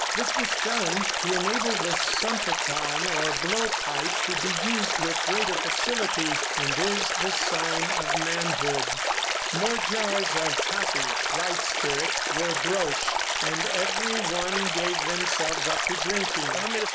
This was done to enable the sumpitan or blowpipe to be used with greater facility and is the sign of manhood. More jars of tapi (rice spirit) were broached, and every one gave themselves up to drinking.